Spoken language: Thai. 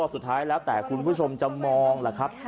สุดท้ายแล้วแต่คุณผู้ชมจะมองล่ะครับ